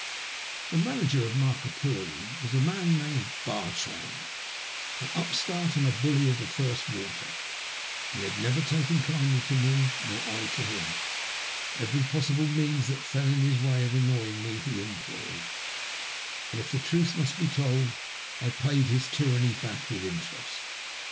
The manager of Markapurlie was a man named Bartrand, an upstart and a bully of the first water. He had never taken kindly to me nor I to him. Every possible means that fell in his way of annoying me he employed ; and, if the truth must be told, I paid his tyranny back with interest.